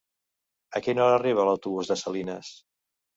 A quina hora arriba l'autobús de Salines?